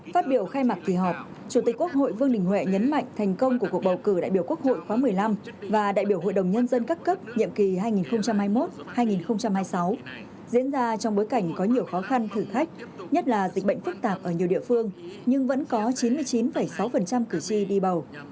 phát biểu khai mạc kỳ họp chủ tịch quốc hội vương đình huệ nhấn mạnh thành công của cuộc bầu cử đại biểu quốc hội khóa một mươi năm và đại biểu hội đồng nhân dân các cấp nhiệm kỳ hai nghìn hai mươi một hai nghìn hai mươi sáu diễn ra trong bối cảnh có nhiều khó khăn thử thách nhất là dịch bệnh phức tạp ở nhiều địa phương nhưng vẫn có chín mươi chín sáu cử tri đi bầu